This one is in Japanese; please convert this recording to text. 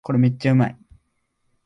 これめっちゃうまい